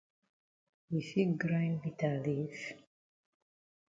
Yi fit grind bitter leaf?